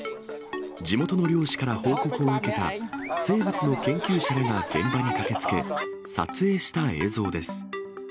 地元の漁師から報告を受けた生物の研究者らが現場に駆けつけ、撮影した映像です。